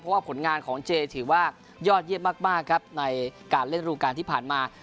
เพราะว่าผลงานของเจถือว่ายอดเยี่ยมมากครับในการเล่นรูการที่ผ่านมา